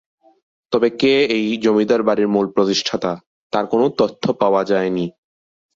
তবে কে এই জমিদার বাড়ির মূল প্রতিষ্ঠাতা তার কোন তথ্য পাওয়া যায়নি।